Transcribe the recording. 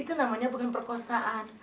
itu namanya bukan perkosaan